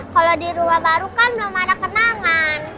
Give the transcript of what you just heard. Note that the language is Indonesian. kalau di rumah baru kan belum ada kenangan